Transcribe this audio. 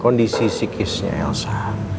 kondisi psikisnya elsa